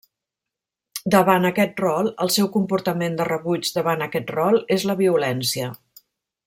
Davant aquest rol, el seu comportament de rebuig davant aquest rol és la violència.